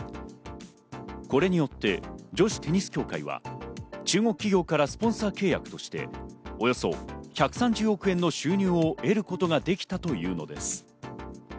これによって女子テニス協会は中国企業からスポンサー契約としておよそ１３０億円の収入を得ることができたというのです。